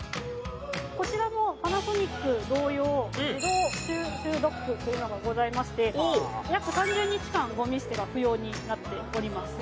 こちらもパナソニック同様自動収集ドックというのがございまして約３０日間ゴミ捨てが不要になっております